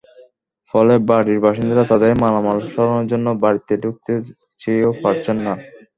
ফলে বাড়ির বাসিন্দারা তাঁদের মালামাল সরানোর জন্য বাড়িতে ঢুকতে চেয়েও পারছেন না।